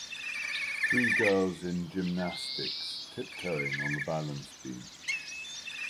Three girls in gymnastics tip toeing on the balance beam.